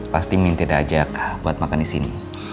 pasti minta ajak buat makan di sini